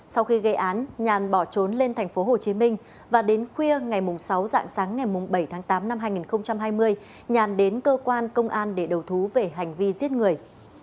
sau khi gây án nhàn bỏ trốn lên thành phố hồ chí minh và đến khuya ngày sáu dạng sáng ngày bảy tháng tám năm hai nghìn hai mươi nhàn đến cơ quan công an để đầu thú về hành vi giết người